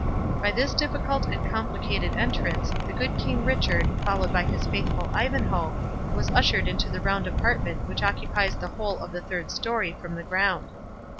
By this difficult and complicated entrance, the good King Richard, followed by his faithful Ivanhoe, was ushered into the round apartment which occupies the whole of the third story from the ground.